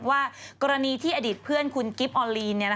ว่ากรณีที่อดีตเพื่อนคุณกิฟต์ออลีน